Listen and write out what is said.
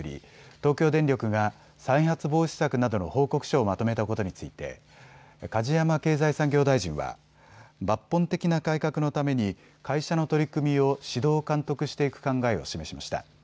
東京電力が再発防止策などの報告書をまとめたことについて梶山経済産業大臣は抜本的な改革のために会社の取り組みを指導、監督していく考えを示しました。